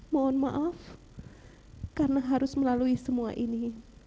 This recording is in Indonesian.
mohon maaf karena harus melalui semua ini